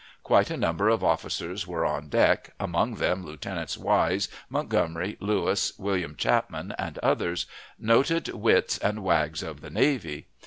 Quite a number of officers were on deck, among them Lieutenants Wise, Montgomery Lewis, William Chapman, and others, noted wits and wags of the navy.